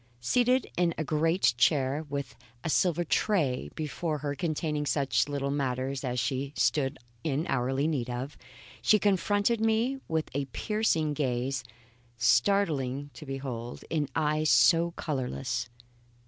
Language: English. Seated in a great chair, with a silver tray before her containing such little matters as she stood in hourly need of, she confronted me with a piercing gaze startling to behold in eyes so colourless.